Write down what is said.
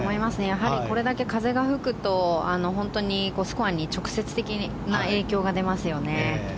やはり、これだけ風が吹くとスコアに直接的な影響が出ますよね。